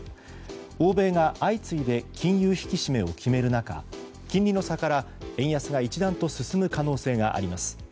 欧米が相次いで金融引き締めを決める中金利の差から、円安が一段と進む可能性があります。